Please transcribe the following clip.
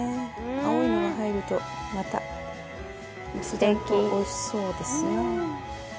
青いのが入ると、またおいしそうですね。